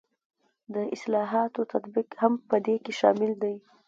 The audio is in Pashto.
د اصلاحاتو تطبیق هم په دې کې شامل دی.